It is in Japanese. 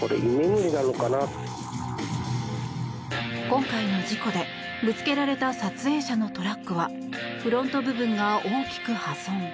今回の事故でぶつけられた撮影者のトラックはフロント部分が大きく破損。